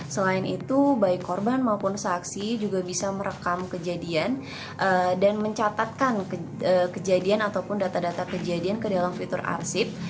selain itu baik korban maupun saksi juga bisa merekam kejadian dan mencatatkan kejadian ataupun data data kejadian ke dalam fitur arsip